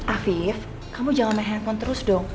afif kamu jangan main handphone terus dong